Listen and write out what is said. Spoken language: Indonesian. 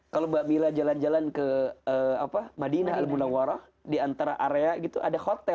kalau mbak mila jalan jalan ke madinah al bunawarah diantara area gitu ada hotel